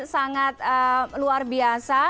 sangat luar biasa